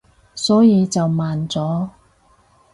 所以就慢咗